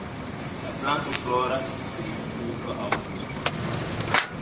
La planto floras de julio al aŭgusto.